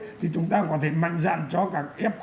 theo tôi thì chúng ta có thể mạnh dạn cho cả f